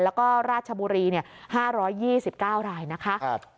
แล้วก็ราชบุรี๕๒๙รายนะคะ